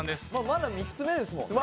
まだ３つ目ですもんね。